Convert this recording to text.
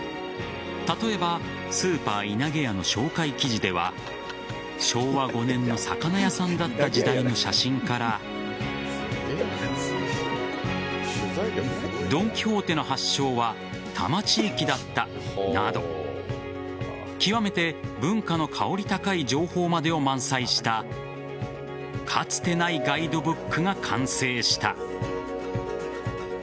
例えばスーパーいなげやの紹介記事では昭和５年の魚屋さんだった時代の写真からドン・キホーテの発祥は多摩地域だったなど極めて文化の薫り高い情報までを満載したかつてないガイドブックが完成した。